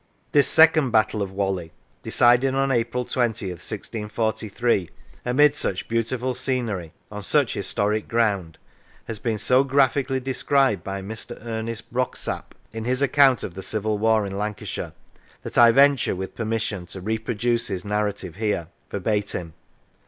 This second battle of Whalley, decided on April 2Oth, 1643, amid such beautiful scenery, on such historic ground, has been so graphically described by Mr. Ernest Broxap in 95 Lancashire his account of the Civil War in Lancashire, that I venture, with permission, to reproduce his narrative here verbatim.